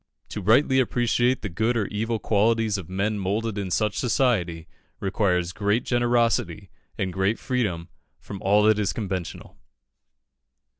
To rightly appreciate the good or evil qualities of men moulded in such society, requires great generosity, and great freedom from all that is conventional.